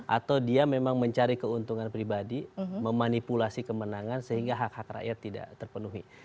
atau dia memang mencari keuntungan pribadi memanipulasi kemenangan sehingga hak hak rakyat tidak terpenuhi